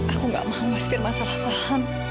aku gak mau mas firman salah paham